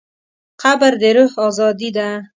قبر د روح ازادي ده.